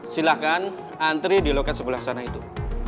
silahkan antri di loket sebelah sana itu